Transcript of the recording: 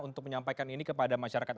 untuk menyampaikan ini kepada masyarakat